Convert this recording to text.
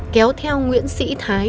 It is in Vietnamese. kéo theo nguyễn sĩ thái